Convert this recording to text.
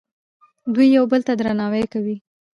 دوی یو بل ته درناوی کوي.